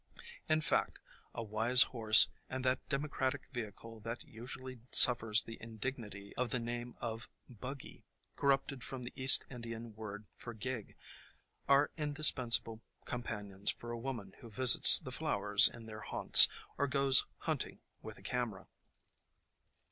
In fact, a wise horse and that democratic vehicle that usually suffers the indignity of the name of "buggy," corrupted from the East Indian word for gig, are indispensable companions for a woman who visits the flowers in their haunts, or goes hunting with a camera.